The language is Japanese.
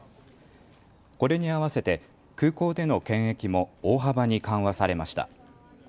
これに合わせて空港での検疫も大幅に緩和されました。